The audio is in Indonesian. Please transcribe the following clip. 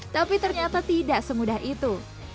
tapi ternyata tidak semudah itu